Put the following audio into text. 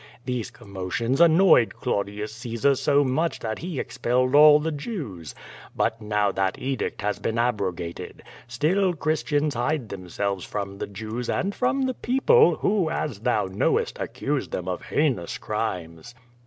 These commotions annoyed Claudius Caesar so much that he expelled all the Jews. But now that edict has been abrogated. Still Christians hide themselves from the Jews and from the people, who, as thou knowest, accuse them of heinous crimes."